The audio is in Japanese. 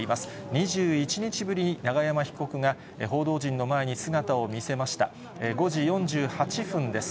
２１日ぶりに永山被告が報道陣の前に姿を見せました、５時４８分です。